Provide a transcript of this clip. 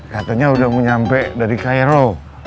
katanya udah mau nyampe dari cairo